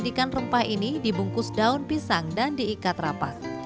dijadikan rempah ini dibungkus daun pisang dan diikat rapat